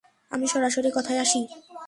আমি সরাসরি কথায় আসি।